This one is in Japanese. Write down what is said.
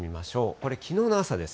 これ、きのうの朝です。